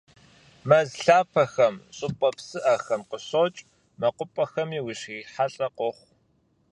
Мэз лъапэхэм, щӏыпӏэ псыӏэхэм къыщокӏ, мэкъупӏэхэми ущрихьэлӏэ къохъу.